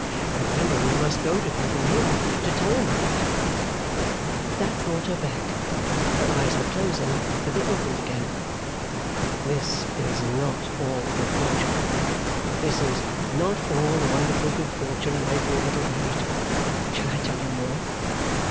Remember we must go to him from here, to tell him of it!' That brought her back. Her eyes were closing, but they opened again. 'This is not all the good fortune. This is not all the wonderful good fortune, my dear Little Dorrit. Shall I tell you more?